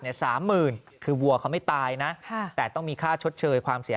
สามหมื่นคือวัวเขาไม่ตายนะแต่ต้องมีค่าชดเชยความเสีย